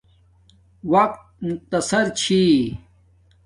وقت مختصر چھی